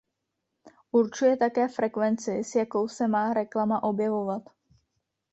Určuje také frekvenci s jakou se má reklama objevovat.